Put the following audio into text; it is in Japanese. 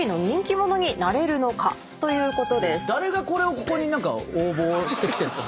誰がこれをここに応募してきてんすか？